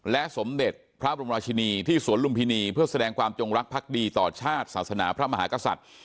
และสมเด็จพระบรมราชินีที่สวนลุมพินีเพื่อแสดงความจงรักภักดีต่อชาติศาสนาพระมหากษัตริย์